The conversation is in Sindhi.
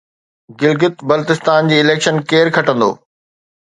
گلگت بلتستان جي اليڪشن ڪير کٽندو؟